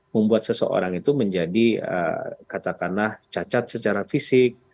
membuat seseorang itu menjadi katakanlah cacat secara fisik